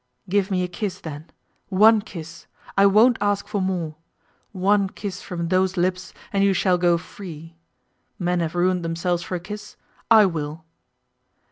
'Give me a kiss, then; one kiss I won't ask for more; one kiss from those lips, and you shall go free. Men have ruined themselves for a kiss. I will.